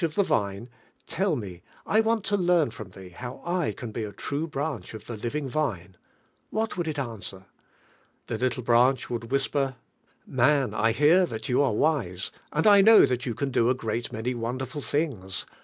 ing. 203 of the vine, tell me, I want to learn from Hi,.,, how I ran be a true branch of the living Vine," what would it answer? The little branch would whisper: "Man, 1 hear dial: you are wise, and 1 know dial vou can do a, great nj v, underfill things.